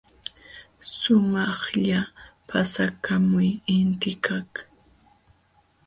Shumaqlla paksaykaamun intikaq.